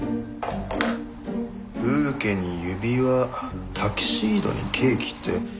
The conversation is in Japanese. ブーケに指輪タキシードにケーキって。